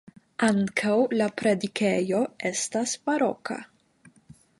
Ankaŭ la predikejo estas baroka.